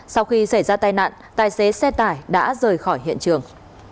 sau khi xảy ra tai nạn tài xế xe tải đã rời khỏi hiện trường